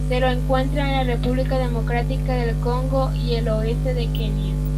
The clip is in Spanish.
Se lo encuentra en la República Democrática del Congo y el oeste de Kenia.